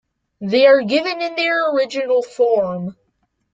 They are given in their original form.